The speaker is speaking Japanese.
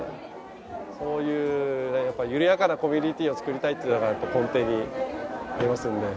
そういうやっぱりゆるやかなコミュニティーを作りたいっていうのがやっぱり根底にありますので。